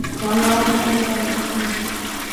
chamganya unga na chumvi